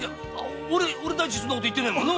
俺たちそんなこと言ってねえもんな！